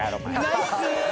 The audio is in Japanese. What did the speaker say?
ナイス！